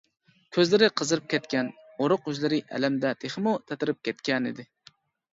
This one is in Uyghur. كۆزلىرى قىزىرىپ كەتكەن، ئۇرۇق يۈزلىرى ئەلەمدە تېخىمۇ تاتىرىپ كەتكەنىدى.